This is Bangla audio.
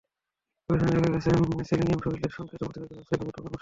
গবেষণায় দেখা গেছে, সেলেনিয়াম শরীরের সংকেত ও প্রতিরক্ষা ব্যবস্থার একটি গুরুত্বপূর্ণ অংশ।